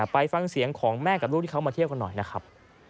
ไปฟังเสียงของแม่กับลูกที่เขามาเที่ยวกันหน่อยนะครับ